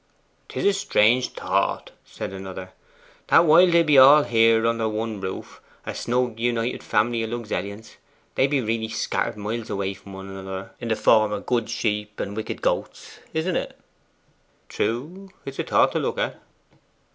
''Tis a strange thought,' said another, 'that while they be all here under one roof, a snug united family o' Luxellians, they be really scattered miles away from one another in the form of good sheep and wicked goats, isn't it?' 'True; 'tis a thought to look at.